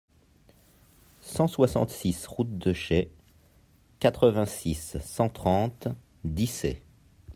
cent soixante-six route de Chaix, quatre-vingt-six, cent trente, Dissay